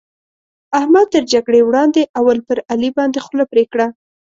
احمد تر جګړې وړاندې؛ اول پر علي باندې خوله پرې کړه.